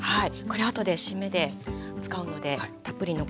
これあとで締めで使うのでたっぷり残しておきます。